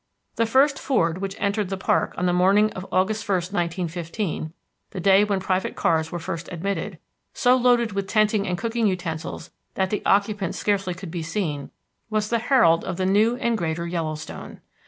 The first Ford which entered the park on the morning of August 1, 1915, the day when private cars were first admitted, so loaded with tenting and cooking utensils that the occupants scarcely could be seen, was the herald of the new and greater Yellowstone.